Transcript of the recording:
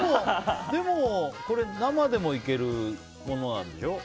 でも、これ生でもいけるものなんでしょ？